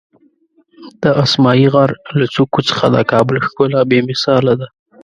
د اسمایي غر له څوکو څخه د کابل ښکلا بېمثاله ده.